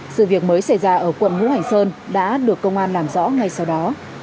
sự việc mới xảy ra ở quận ngũ hành sơn đã được công an làm rõ ngay sau đó